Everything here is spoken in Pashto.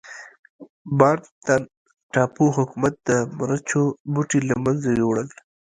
بانتن ټاپو حکومت د مرچو بوټي له منځه یووړل.